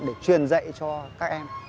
để truyền dạy cho các em